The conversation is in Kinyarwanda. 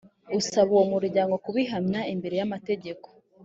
usaba uwo muryango kubihamya imbere y’amategeko